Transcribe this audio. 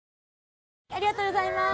ありがとうございます。